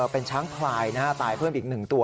เป็นช้างพลายตายเพิ่มอีก๑ตัว